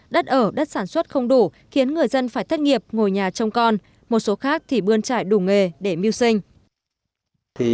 đất ở đất sản xuất không đủ khiến người dân phải thất nghiệp ngồi nhà trông con một số khác thì bươn trải đủ nghề để mưu sinh